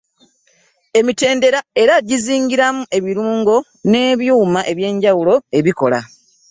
Emitendera era gizingiramu ebirungo n’ebyuma eby’enjawulo ebikola.